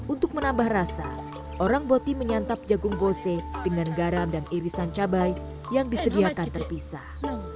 untuk menambah rasa orang boti menyantap jagung bose dengan garam dan irisan cabai yang disediakan terpisah